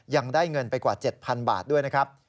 ยังได้เงินไปกว่า๗๐๐บาทด้วยนะครับ